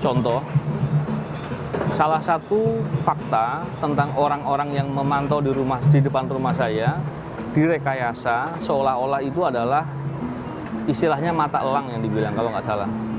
contoh salah satu fakta tentang orang orang yang memantau di depan rumah saya direkayasa seolah olah itu adalah istilahnya mata elang yang dibilang kalau nggak salah